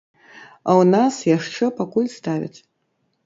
А ў нас яшчэ пакуль ставяць!